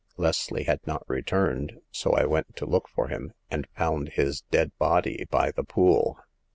Leslie had not returned, so I went to look for him, and found his dead body by the Pool."